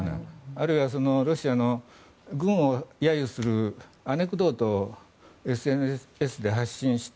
あるいはロシアの軍を揶揄するアネクドートをＳＮＳで発信して。